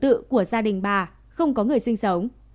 tự của gia đình bà không có người sinh sống